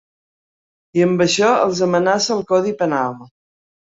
I amb això els amenaça el codi penal.